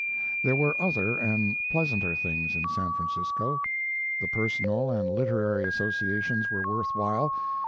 There were other and pleasanter things in San Francisco. The personal and literary associations were worth while.